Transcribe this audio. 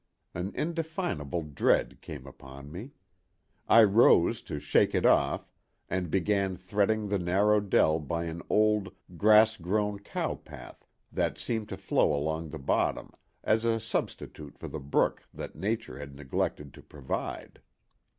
An indefinable dread came upon me. I rose to shake it off, and began threading the narrow dell by an old, grass grown cow path that seemed to flow along the bottom, as a substitute for the brook that Nature had neglected to provide.